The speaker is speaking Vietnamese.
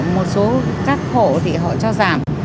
một số các khổ thì họ cho giảm